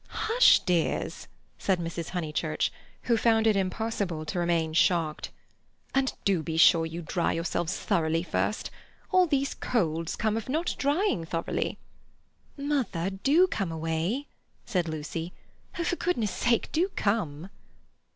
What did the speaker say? "Hush, dears," said Mrs. Honeychurch, who found it impossible to remain shocked. "And do be sure you dry yourselves thoroughly first. All these colds come of not drying thoroughly." "Mother, do come away," said Lucy. "Oh for goodness' sake, do come."